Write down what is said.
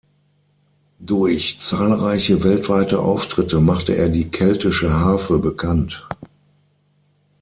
Durch zahlreiche weltweite Auftritte machte er die Keltische Harfe bekannt.